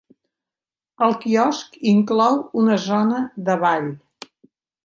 El quiosc inclou una zona de ball.